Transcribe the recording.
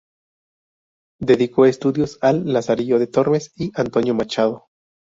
Dedicó estudios al "Lazarillo de Tormes" y Antonio Machado.